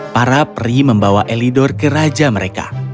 para peri membawa elidor ke raja mereka